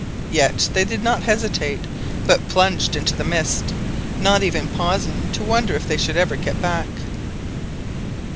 Yet they did not hesitate, but plunged into the mist, not even pausing to wonder if they should ever get back.